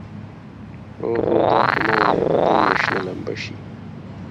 اوهو دا خو مه وايه بدن مې شنه لمبه شي.